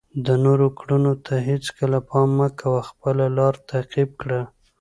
د نورو کړنو ته هیڅکله پام مه کوه، خپله لاره تعقیب کړه.